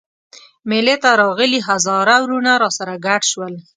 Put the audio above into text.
مېلې ته راغلي هزاره وروڼه راسره ګډ شول.